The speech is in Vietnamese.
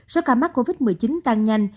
số ca mắc covid một mươi chín tăng nhanh